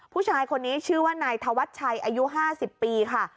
ผู้ชายคนนี้ชื่อว่านายธวัชชัยอายุ๕๐ปีค่ะ